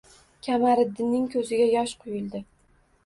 Qamariddinning ko‘ziga yosh quyildi